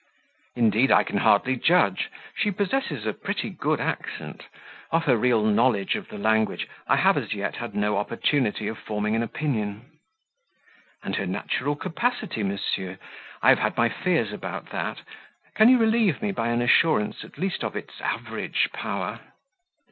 "Indeed I can hardly judge. She possesses a pretty good accent; of her real knowledge of the language I have as yet had no opportunity of forming an opinion." "And her natural capacity, monsieur? I have had my fears about that: can you relieve me by an assurance at least of its average power?"